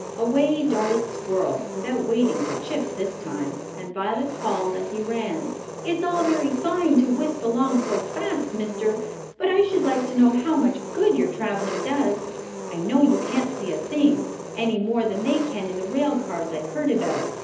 Away darted squirrel, without waiting to chip this time, and Violet called, as he ran, "It's all very fine to whisk along so fast, mister; but I should like to know how much good your travelling does. I know you can't see a thing, any more than they can in the rail cars I've heard about.